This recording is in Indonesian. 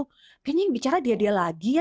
kayaknya yang bicara dia dia lagi ya